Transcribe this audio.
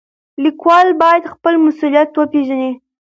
لیکوال باید خپل مسولیت وپېژني.